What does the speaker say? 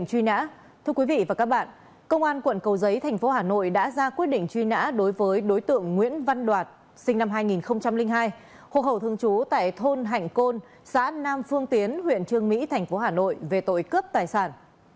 xã nam phương tiến huyện trương mỹ thành phố hà nội về tội cướp tài sản